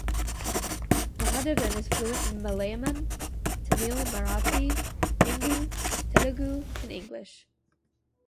Mahadevan is fluent in Malayalam, Tamil, Marathi, Hindi, Telugu and English.